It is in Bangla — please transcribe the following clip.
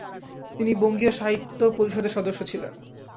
তিনি বঙ্গীয় সাহিত্য পরিষদের সদস্য ছিলেন ।